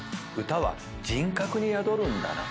歌は人格に宿るんだな。